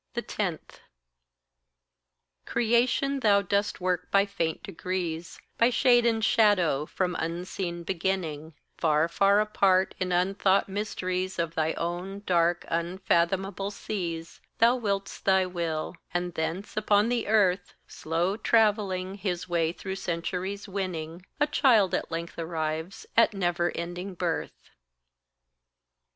10. Creation thou dost work by faint degrees, By shade and shadow from unseen beginning; Far, far apart, in unthought mysteries Of thy own dark, unfathomable seas, Thou will'st thy will; and thence, upon the earth Slow travelling, his way through centuries winning A child at length arrives at never ending birth.